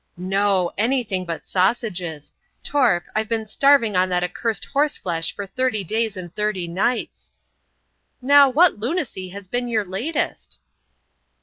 "No, anything but sausages! Torp, I've been starving on that accursed horse flesh for thirty days and thirty nights." "Now, what lunacy has been your latest?"